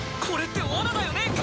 これって罠だよね？